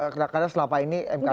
kadang kadang selama ini mk